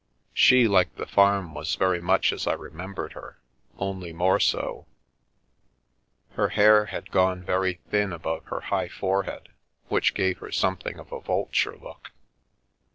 She, like the farm, was very much as I remem bered her, only more so. Her hair had gone very thin above her high forehead, which gave her something of a vulture look.